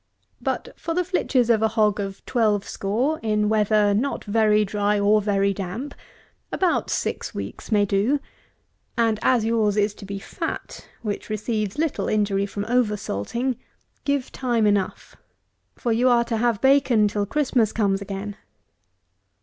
But for the flitches of a hog of twelve score, in weather not very dry or very damp, about six weeks may do; and as yours is to be fat, which receives little injury from over salting, give time enough; for you are to have bacon till Christmas comes again.